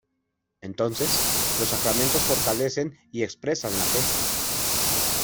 Entonces, los sacramentos fortalecen y expresan la fe.